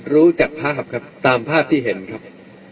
รู้จักภาพครับตามภาพที่เห็นครับ